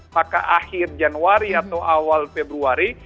maka akhir januari atau awal februari